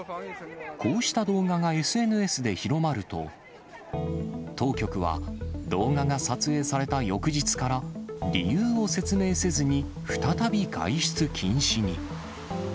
こうした動画がＳＮＳで広まると、当局は動画が撮影された翌日から、理由を説明せずに再び外出禁止に。